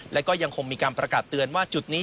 และก็ยังคงมีการประกาศเตือนว่าจุดนี้